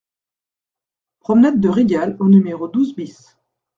Promenade de Rigal au numéro douze BIS